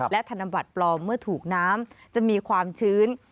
และธนบัตรปลอมเมื่อถูกน้ำจะมีความชื้น